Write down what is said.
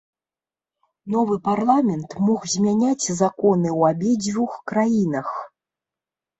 Новы парламент мог змяняць законы ў абедзвюх краінах.